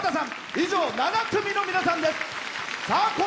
以上、７組の皆さんです。